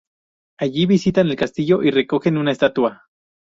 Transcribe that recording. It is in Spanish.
Allí visitan el castillo y recogen una estatua.